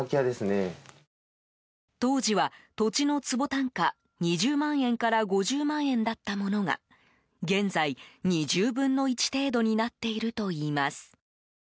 当時は土地の坪単価２０万円から５０万円だったものが現在、２０分の１程度になっているといいます。